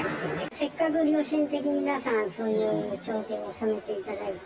せっかく良心的に皆さん、そういう町費を納めていただいて。